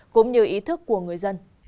cũng như ý thức của người dân